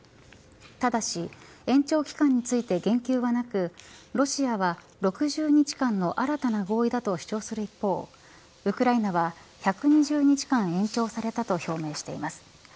ただし延長期間について言及はなくロシアは６０日間の新たな合意だと主張する一方ウクライナは１２０日間延長されたと表明しています。